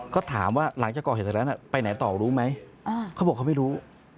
ก็ถามว่าหลังจากก่อเหตุเสร็จแล้วไปไหนต่อรู้ไหมเขาบอกเขาไม่รู้